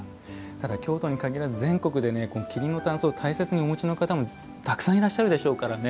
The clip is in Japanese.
ただ京都に限らず全国でこの桐のたんすを大切にお持ちの方もたくさんいらっしゃるでしょうからね。